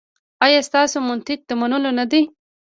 ایا ستاسو منطق د منلو نه دی؟